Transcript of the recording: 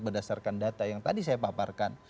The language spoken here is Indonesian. berdasarkan data yang tadi saya paparkan